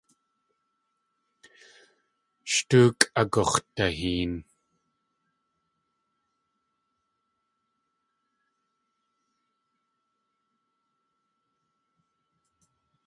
Sh tóokʼ agux̲daheen.